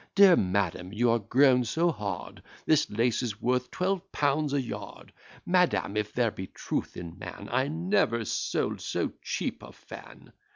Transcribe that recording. Dear madam, you are grown so hard This lace is worth twelve pounds a yard: Madam, if there be truth in man, I never sold so cheap a fan."